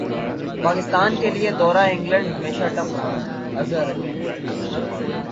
پاکستان کیلئے دورہ انگلینڈ ہمیشہ ٹف رہا اظہر علی